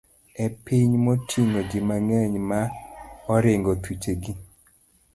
en piny moting'o ji mang'eny ma oringo thuchegi.